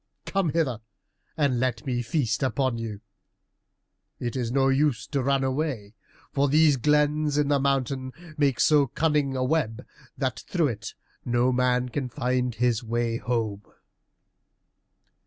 Come hither and let me feast upon you. It is of no use to run away, for these glens in the mountain make so cunning a web, that through it no man can find his way home."